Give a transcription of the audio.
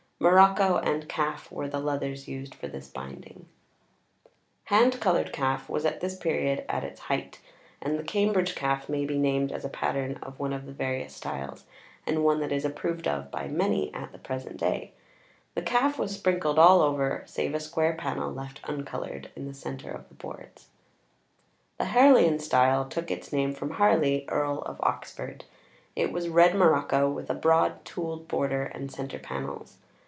Morocco and calf were the leathers used for this binding. [Illustration: GASCON. 8^{vo} T. Way, Photo lith.] Hand coloured calf was at this period at its height, and |xvii| the Cambridge calf may be named as a pattern of one of the various styles, and one that is approved of by many at the present day—the calf was sprinkled all over, save a square panel left uncoloured in the centre of the boards. [Illustration: Harleian.] [Illustration: Roger Payne.] The Harleian style took its name from Harley, Earl of Oxford. It was red morocco with a broad tooled border and centre panels.